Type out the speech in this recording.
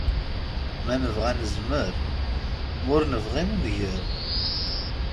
Ma nebɣa nezmer, ma ur nebɣi nenger.